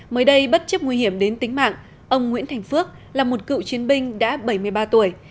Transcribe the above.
mới đây bất chấp nguy hiểm đến tính mạng ông nguyễn thành phước là một cựu chiến binh đã bảy mươi ba tuổi